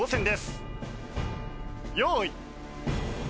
用意。